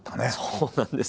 そうなんです。